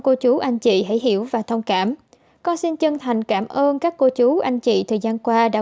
cô chú anh chị hãy hiểu và thông cảm cô xin chân thành cảm ơn các cô chú anh chị thời gian qua đã